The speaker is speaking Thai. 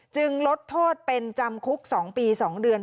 ลดโทษเป็นจำคุก๒ปี๒เดือน